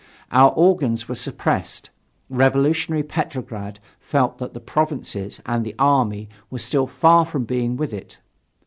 Our organs were suppressed. Revolutionary Petrograd felt that the provinces and the army were still far from being with it.